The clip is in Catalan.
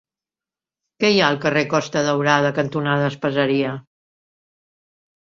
Què hi ha al carrer Costa Daurada cantonada Espaseria?